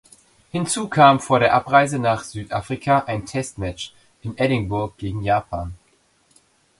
Hinzu kam vor der Abreise nach Südafrika ein Test Match in Edinburgh gegen Japan.